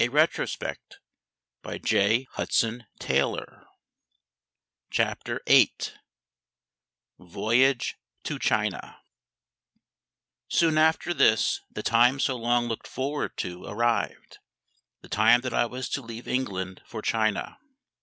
CHAPTER VIII VOYAGE TO CHINA SOON after this the time so long looked forward to arrived the time that I was to leave England for China.